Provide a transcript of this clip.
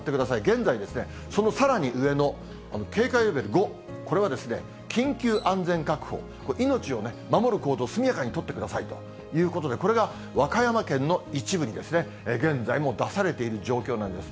現在、そのさらに上の警戒レベル５、これは緊急安全確保、命を守る行動を速やかに取ってくださいということで、これが和歌山県の一部に現在も出されている状況なんです。